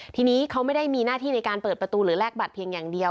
ทีนี้เขาไม่ได้มีหน้าที่ในการเปิดประตูหรือแลกบัตรเพียงอย่างเดียว